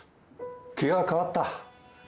気が変わった。